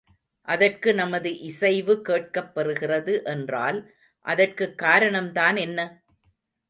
அதற்கு நமது இசைவு கேட்கப் பெறுகிறது என்றால் அதற்குக் காரணம்தான் என்ன?